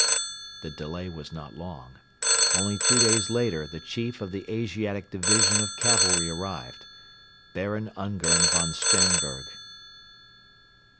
The delay was not long. Only two days later the Chief of the Asiatic Division of Cavalry arrived Baron Ungern von Sternberg.